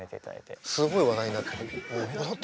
すごい話題になってて。